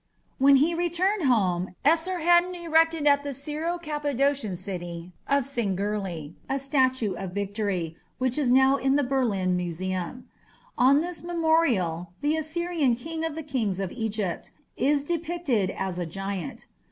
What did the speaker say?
When he returned home Esarhaddon erected at the Syro Cappadocian city of Singirli a statue of victory, which is now in the Berlin museum. On this memorial the Assyrian "King of the kings of Egypt" is depicted as a giant.